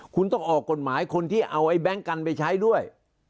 คุณต้องออกกฎหมายคนที่เอาไอ้แบงค์กันไปใช้ด้วย